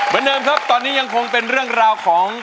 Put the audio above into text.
เหมือนเดิมครับตอนนี้ยังคงเป็นเรื่องราวของ